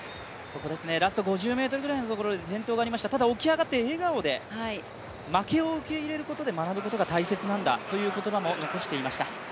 ラスト５０ｍぐらいのところで転倒がありました、ただ、起き上がって、笑顔で負けを受け入れることで学ぶことが大切なんだという言葉も残していました。